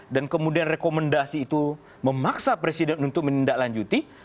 dan kemudian rekomendasi itu memaksa presiden untuk menindaklanjuti